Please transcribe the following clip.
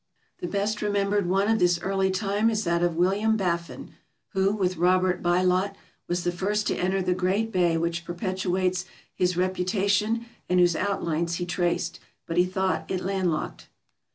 The best remembered one of this early time is that of William Baffin, who, with Robert Bylot, was the first to enter the great bay which perpetuates his reputation and whose outlines he traced; but he thought it landlocked.